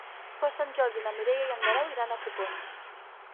Per Sant Jordi na Mireia i en Guerau iran a Copons.